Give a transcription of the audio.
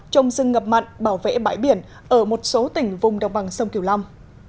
trồng rừng ngập mặn bảo vệ bãi biển ở một số tỉnh vùng đồng bằng sông kiều long